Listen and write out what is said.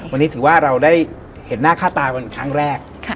วันนี้ถือว่าเราได้เห็นหน้าค่าตาวันครั้งแรก